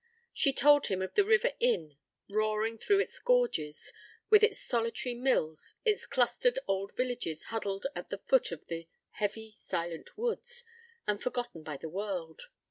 She told him of the river Inn roaring through its gorges, with its solitary mills, its clustered old villages huddled at the foot of the heavy silent woods and forgotten by the world.